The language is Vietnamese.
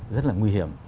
rất là nguy hiểm